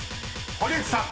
堀内さん］